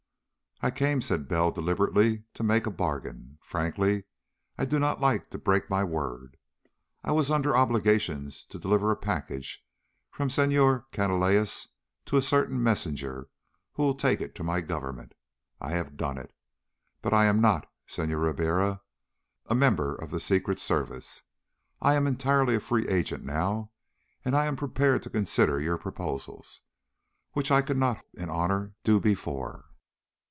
"I came," said Bell deliberately, "to make a bargain. Frankly, I do not like to break my word. I was under obligations to deliver a package from Senhor Canalejas to a certain messenger who will take it to my government. I have done it. But I am not, Senhor Ribiera, a member of the Secret Service. I am entirely a free agent now, and I am prepared to consider your proposals, which I could not in honor do before."